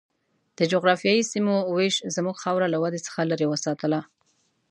د جغرافیایي سیمو وېش زموږ خاوره له ودې څخه لرې وساتله.